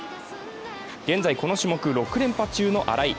現在この種目６連覇中の荒井。